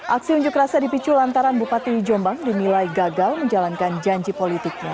aksi unjuk rasa dipicu lantaran bupati jombang dinilai gagal menjalankan janji politiknya